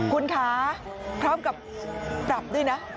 คุณคะพร้อมกับปรับด้วยนะ